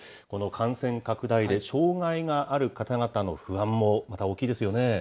この感染拡大で障害がある方々の不安も、また大きいですよね。